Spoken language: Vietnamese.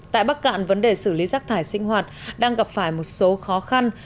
tại bắc cạn vấn đề xử lý rác thải sinh hoạt đang gặp phải một số khó khăn